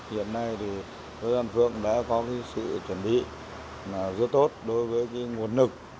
hiện nay thì cơ gian phượng đã có cái sự chuẩn bị rất tốt đối với cái nguồn lực